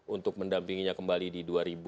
untuk mendampinginya kembali di dua ribu sembilan belas